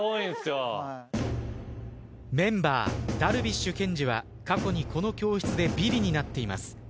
メンバー樽美酒研二は過去にこの教室でビリになっています。